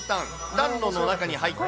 暖炉の中に入って、